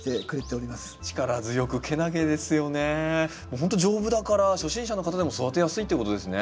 ほんと丈夫だから初心者の方でも育てやすいってことですね。